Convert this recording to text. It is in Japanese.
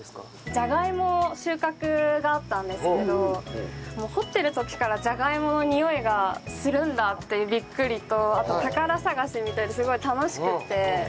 ジャガイモを収穫があったんですけど掘ってる時からジャガイモのにおいがするんだっていうビックリとあと宝探しみたいですごい楽しくって。